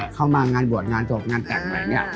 เข้ามางานบวชงานสวบงานแตกอะไรเนี่ย